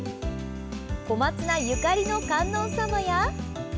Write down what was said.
小松菜ゆかりの観音様や。